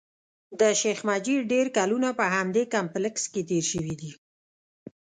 د شیخ مجید ډېر کلونه په همدې کمپلېکس کې تېر شوي دي.